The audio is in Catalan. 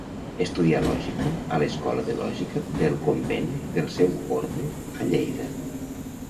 Estudià lògica a l'Escola de Lògica del convent del seu orde a Lleida.